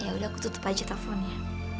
ya udah aku tutup aja teleponnya